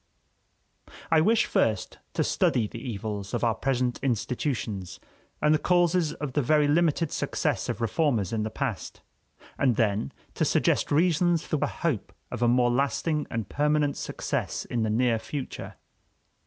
I wish first to study the evils of our present institutions, and the causes of the very limited success of reformers in the past, and then to suggest reasons for the hope of a more lasting and permanent success in the near future.